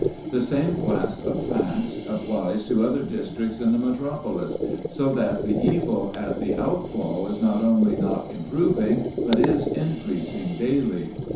The same class of facts applies to other districts in the metropolis, so that the evil at the outfall is not only not improving, but is increasing daily.